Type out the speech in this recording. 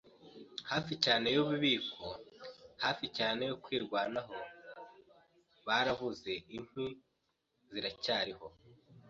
Hafi cyane yububiko - hafi cyane yo kwirwanaho, baravuze - inkwi ziracyariho